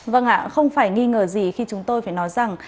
vâng ạ không phải nghi ngờ gì khi chúng tôi phải nói rằng